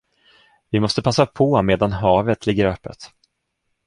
Vi måste passa på medan havet ligger öppet.